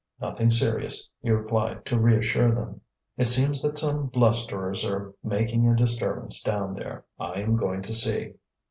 "Nothing serious," he replied, to reassure them. "It seems that some blusterers are making a disturbance down there. I am going to see."